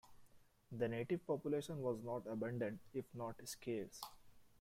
The native population was not abundant, if not scarce.